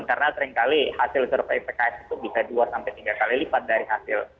karena sering kali hasil survei pks itu bisa dua sampai tiga kali lipat dari hasil